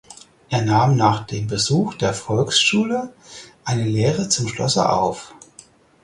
Er nahm nach dem Besuch der Volksschule eine Lehre zum Schlosser auf.